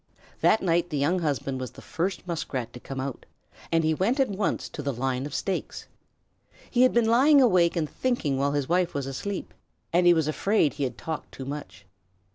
That night the young husband was the first Muskrat to come out, and he went at once to the line of stakes. He had been lying awake and thinking while his wife was asleep, and he was afraid he had talked too much.